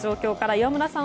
岩村さん